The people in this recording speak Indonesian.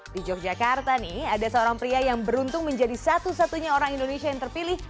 di yogyakarta nih ada seorang pria yang beruntung menjadi satu satunya orang indonesia yang terpilih